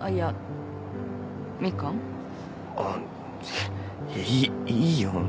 あっいっいいよ